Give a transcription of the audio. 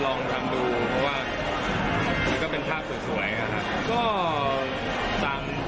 ก็ว่ามันเป็นแฟชั่นอะครับ